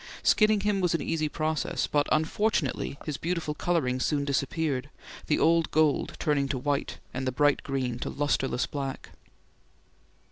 Skinning him was an easy process, but unfortunately his beautiful colouring soon disappeared, the old gold turning to white and the bright green to lustreless black.